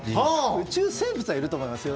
宇宙生物はいると思いますよ。